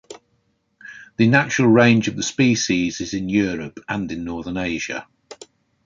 The natural range of the species is in Europe and in northern Asia.